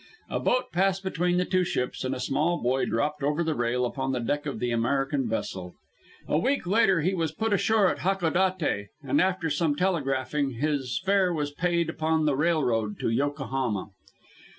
A boat passed between the two ships, and a small boy dropped over the rail upon the deck of the American vessel. A week later he was put ashore at Hakodate, and after some telegraphing, his fare was paid on the railroad to Yokohama.